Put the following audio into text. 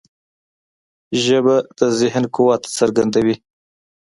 ژبه د ذهن قوت څرګندوي